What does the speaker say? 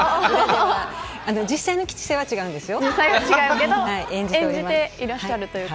実際の吉瀬は違うんですよ。